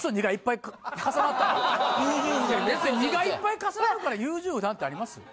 ２がいっぱい重なるから優柔不断ってあります？